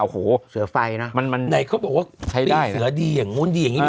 อ๋อโหเสือไฟนะไหนเขาบอกว่าปีเสือดีอย่างนู้นดีอย่างนี้